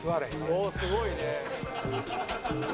「おおすごいね」